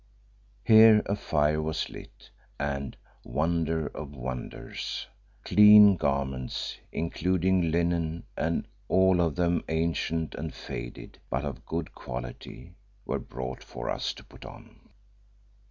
Here a fire was lit, and, wonder of wonders! clean garments, including linen, all of them ancient and faded, but of good quality, were brought for us to put on.